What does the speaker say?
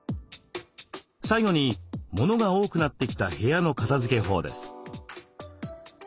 最後に物が多くなってきた部屋の片づけ法です。